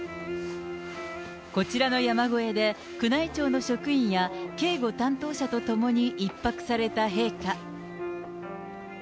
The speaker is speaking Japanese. こちらの山小屋で宮内庁の職員や警護担当者と共に１泊された陛下。